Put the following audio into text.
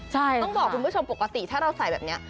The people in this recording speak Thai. ใช่ต้องบอกคุณผู้ชมปกติถ้าเราใส่แบบนี้